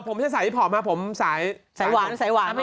ผมไม่ใช่สายวิทยาลัยภอร์มผมสายสายหวาน